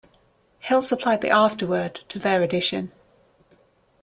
Hill supplied the afterword to their edition.